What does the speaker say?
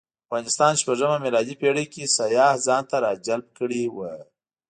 افغانستان شپږمه میلادي پېړۍ کې سیاح ځانته راجلب کړی و.